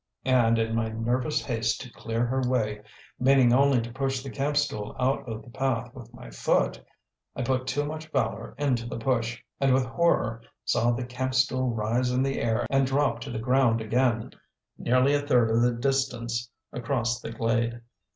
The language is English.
And in my nervous haste to clear her way, meaning only to push the camp stool out of the path with my foot, I put too much valour into the push, and with horror saw the camp stool rise in the air and drop to the ground again nearly a third of the distance across the glade.